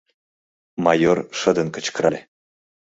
— майор шыдын кычкырале.